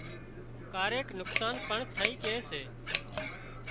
ڪاريڪ نقصان پڻ ٿئي ڪي سي